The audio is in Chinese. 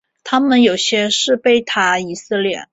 他们有些是贝塔以色列。